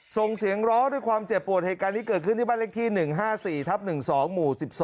ส่งเสียงร้องด้วยความเจ็บปวดเหตุการณ์นี้เกิดขึ้นที่บ้านเลขที่๑๕๔ทับ๑๒หมู่๑๒